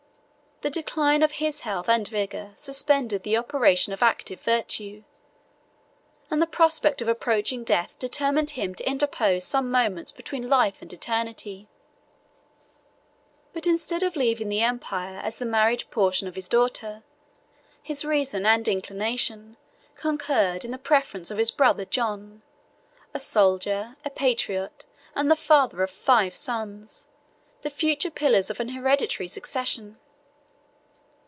The decline of his health and vigor suspended the operation of active virtue; and the prospect of approaching death determined him to interpose some moments between life and eternity. But instead of leaving the empire as the marriage portion of his daughter, his reason and inclination concurred in the preference of his brother John, a soldier, a patriot, and the father of five sons, the future pillars of an hereditary succession.